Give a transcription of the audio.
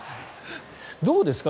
どうですか？